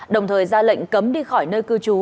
đồng thời ra lệnh cấm đi khỏi nơi cư trú